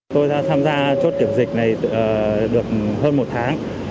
tôi đã tham gia chốt kiểm dịch này được hơn một tháng